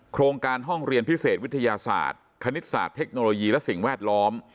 โครงการห้องเรียนพิเศษวิทยาศาสตร์คณิตศาสตร์เทคโนโลยีและสิ่งแวดล้อม